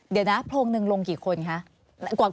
เดี๋ยวนะโพรงหนึ่งลงกี่คนคะ